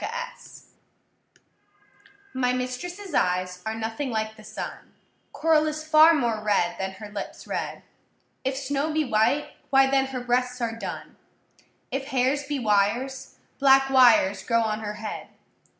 CXXX My mistress’ eyes are nothing like the sun; Coral is far more red, than her lips red: If snow be white, why then her breasts are dun; If hairs be wires, black wires grow on her head.